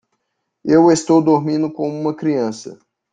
Eu estou dormindo com uma criança.